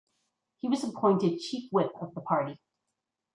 He was appointed chief whip of the party.